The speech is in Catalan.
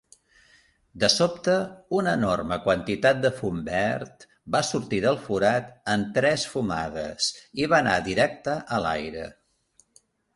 De sobte, una enorme quantitat de fum verd va sortir del forat en tres fumades i va anar directe a l'aire.